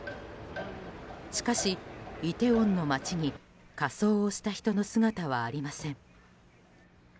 しかし、イテウォンの街に仮装をした人の姿はありません。